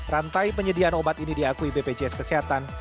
rantai penyediaan obat ini diakui bpjs kesehatan